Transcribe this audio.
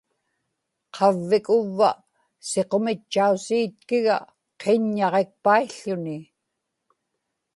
qavvik uvva siqumitchausiitkiga qiññaġikpaił̣ł̣uni